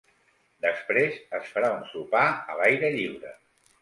Després, es farà un sopar a l’aire lliure.